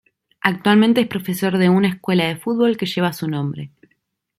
Actualmente es profesor de una escuela de fútbol que lleva su nombre.